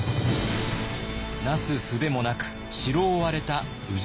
なすすべもなく城を追われた氏真。